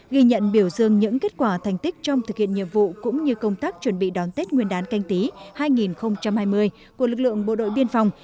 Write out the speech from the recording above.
ghi nhận biểu dương những kết quả thành tích trong thực hiện nhiệm vụ cũng như công tác chuẩn bị đón tết nguyên đán canh tí hai nghìn hai mươi của lực lượng bộ đội biên phòng